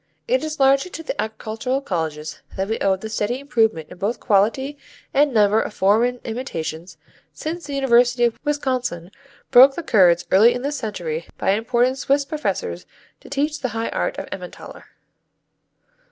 It is largely to the agricultural colleges that we owe the steady improvement in both quality and number of foreign imitations since the University of Wisconsin broke the curds early in this century by importing Swiss professors to teach the high art of Emmentaler.